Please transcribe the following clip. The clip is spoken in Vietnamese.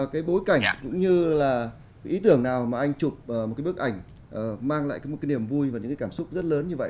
cái bối cảnh cũng như là ý tưởng nào mà anh chụp một cái bức ảnh mang lại một cái niềm vui và những cái cảm xúc rất lớn như vậy